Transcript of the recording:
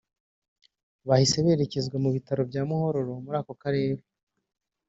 Bahise berekezwa mu bitaro bya Muhororo muri ako karere